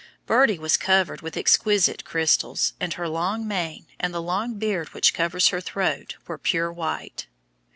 Birdie was covered with exquisite crystals, and her long mane and the long beard which covers her throat were pure white.